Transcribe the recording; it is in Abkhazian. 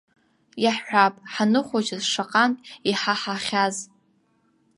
Иаҳҳәап, ҳаныхәыҷыз шаҟантә иҳаҳахьаз.